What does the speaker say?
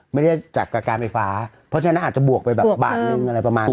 ไม่ได้จากการไฟฟ้าเพราะฉะนั้นอาจจะบวกไปแบบบาทนึงอะไรประมาณนี้